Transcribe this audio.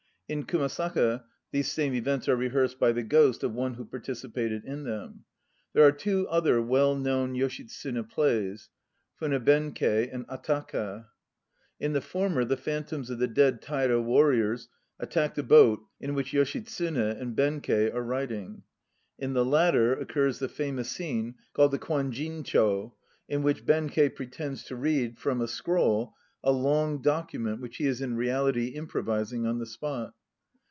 In Kumasaka these same events are re hearsed by the ghost of one who participated in them. There are two other well known Yoshitsune plays, Funa Benkei and Ataka. In the former the phantoms of the dead Taira warriors attack the boat in which Yoshitsune and Benkei are riding; in the latter occurs the famous scene called the Kwanjincho, in which Benkei pretends to read out from a scroll a long document which he is in reality improvising on the spot.